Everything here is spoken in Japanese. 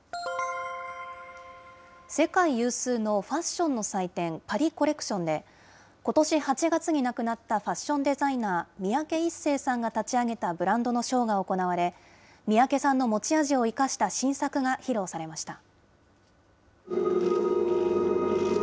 世界有数のファッションの祭典、パリコレクションで、ことし８月に亡くなったファッションデザイナー、三宅一生さんが立ち上げたブランドのショーが行われ、三宅さんの持ち味を生かした新作が披露されました。